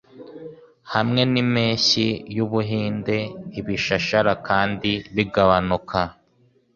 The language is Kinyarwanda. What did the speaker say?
Hamwe nimpeshyi yu Buhinde ibishashara kandi bigabanuka